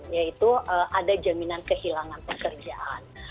yaitu ada jaminan kehilangan pekerjaan